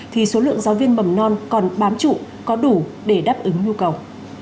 thì số lượng giáo viên mầm non còn bám trụ có đủ để đáp ứng nhu cầu